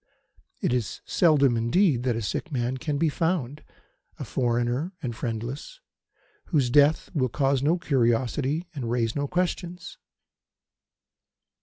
It is seldom, indeed, that a sick man can be found a foreigner and friendless whose death will cause no curiosity and raise no questions.